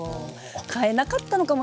買えなかったのかも。